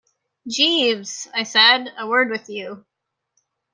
"Jeeves," I said, "a word with you."